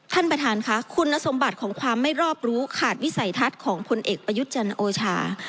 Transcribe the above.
ท่านประธานค่ะคุณสมบัติของความไม่รอบรู้ขาดวิสัยทัศน์ของพลเอกประยุทธ์จันทร์โอชา